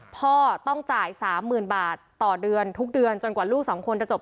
พ่อต้องจ่าย๓๐๐๐บาทต่อเดือนทุกเดือนจนกว่าลูกสองคนจะจบ